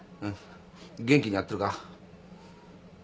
元気にやってるか？